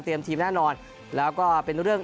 ทีมแน่นอนแล้วก็เป็นเรื่อง